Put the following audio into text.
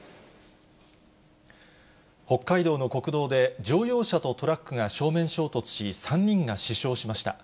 北海道の国道で、乗用車とトラックが正面衝突し、３人が死傷しました。